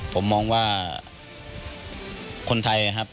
ผมมองว่าคนไทยนะครับ